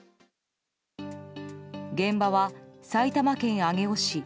現場は埼玉県上尾市。